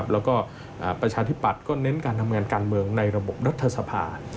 แล้วก็ประชาธิปัตย์ก็เน้นการทำงานการเมืองในระบบรัฐสภา